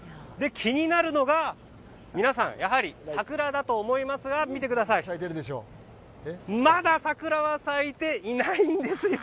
気になるのが皆さん、やはり桜だと思いますが見てくださいまだ桜は咲いていないんです。